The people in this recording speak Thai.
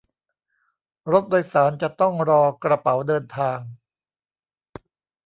รถโดยสารจะต้องรอกระเป๋าเดินทาง